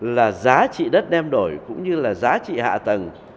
là giá trị đất đem đổi cũng như là giá trị hạ tầng